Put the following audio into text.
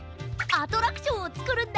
アトラクションをつくるんだ！